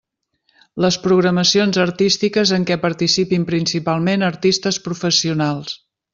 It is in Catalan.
Les programacions artístiques en què participin principalment artistes professionals.